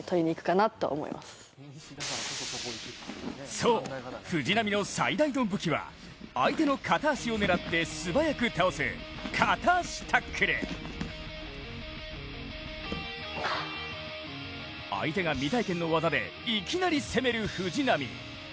そう、藤波の最大の武器は相手の片足を狙って素早く倒す片足タックル相手が未体験の技でいきなり攻める藤波。